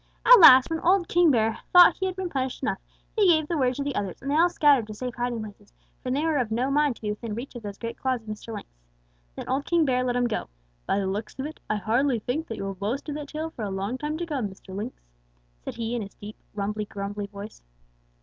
"At last, when old King Bear thought he had been punished enough, he gave the word to the others, and they all scattered to safe hiding places, for they were of no mind to be within reach of those great claws of Mr. Lynx. Then old King Bear let him go. "'By the looks of it, I hardly think that you will boast of that tail for a long time to come, Mr. Lynx,' said he in his deep, rumbly grumbly voice.